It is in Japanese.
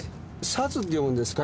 「ＳＡＺ」って読むんですか？